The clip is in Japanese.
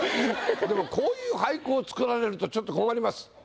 でもこういう俳句を作られるとちょっと困ります。